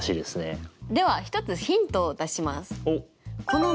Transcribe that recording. では１つヒントを出します。